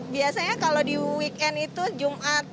biasanya kalau di weekend itu jumat